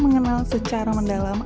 mengenal secara mendalam